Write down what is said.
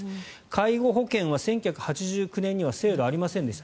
介護保険は１９８９年には制度はありませんでした。